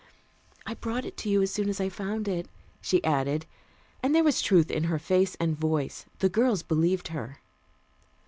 "I brought it to you as soon as I found it," she added, and there was truth in her face and voice. The girls believed her.